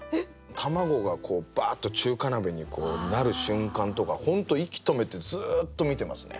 卵がバーッと中華鍋にこうなる瞬間とか本当息止めてずっと見てますね。